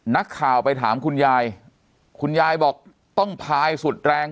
นักข่าวไปถามคุณยายคุณยายบอกต้องพายสุดแรง